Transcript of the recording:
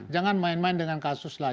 jangan main main dengan kasus lah